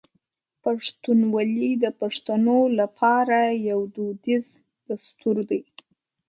پښتونولي د پښتنو لپاره یو دودیز دستور دی.